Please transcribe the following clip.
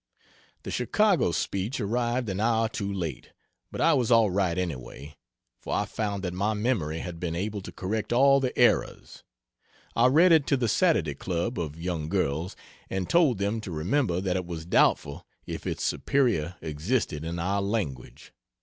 The Chicago speech arrived an hour too late, but I was all right anyway, for I found that my memory had been able to correct all the errors. I read it to the Saturday Club (of young girls) and told them to remember that it was doubtful if its superior existed in our language.